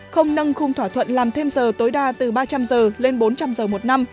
không nâng khung thỏa thuận làm thêm giờ tối đa từ ba trăm linh giờ lên bốn trăm linh giờ một năm